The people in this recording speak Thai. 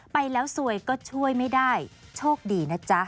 ไปแล้วสวยก็ช่วยไม่ได้โชคดีนะจ๊ะ